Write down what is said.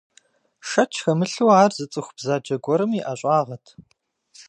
Шэч хэмылъу, ар зы цӀыху бзаджэ гуэрым и ӀэщӀагъэт.